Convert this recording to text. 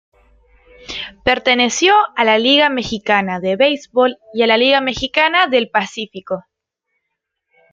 Perteneció a la Liga Mexicana de Beisbol y a la Liga Mexicana del Pacífico.